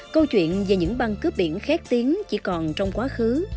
câu chuyện về những băng cướp biển khét tiếng chỉ còn trong quá khứ